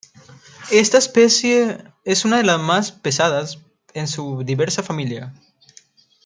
Esta especie es una de las más pesadas en su diversa familia.